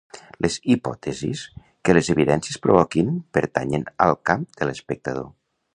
Les hipòtesis que les evidències provoquin pertanyen al camp de l'espectador.